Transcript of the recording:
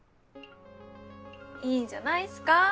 いいじゃないっすか？